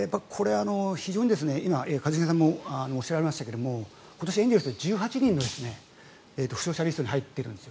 一茂さんもおっしゃいましたが今年、エンゼルスで１８人が故障者リストに入っているんです。